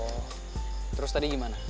oh terus tadi gimana